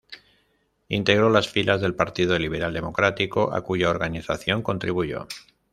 Integró las filas del Partido Liberal Democrático, a cuya organización contribuyó.